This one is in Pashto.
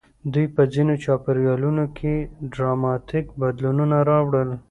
دوی په ځینو چاپېریالونو کې ډراماتیک بدلونونه راوړل.